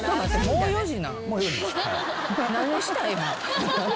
「もう４時？」